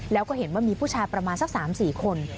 แล้วก็เห็นว่ามีผู้ชายประมาณสัก๓๔คน